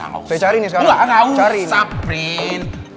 gak usah prince